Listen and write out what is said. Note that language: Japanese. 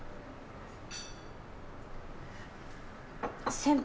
先輩。